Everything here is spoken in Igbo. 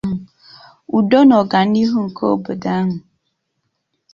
udo na ọganihu nke obodo ahụ.